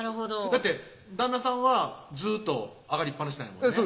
だって旦那さんはずっと上がりっぱなしなんやもんね